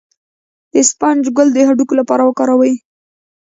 د اسفناج ګل د هډوکو لپاره وکاروئ